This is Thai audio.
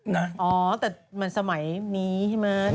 อ๋อแต่มันสมัยนี้ใช่ไหม